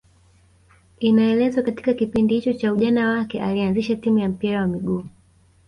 Inaelezwa katika kipindi hicho cha ujana wake alianzisha timu ya mpira wa miguu